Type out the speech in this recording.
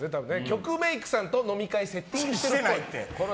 局メイクさんと飲み会セッティングしてるっぽい。